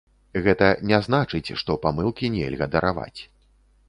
Гэта не значыць, што памылкі нельга дараваць.